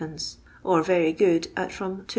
or Tery good, at from 2s.